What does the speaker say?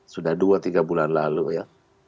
sudah dua tiga bulan lalu ya